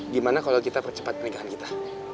gimana kalau kita percepat pernikahan kita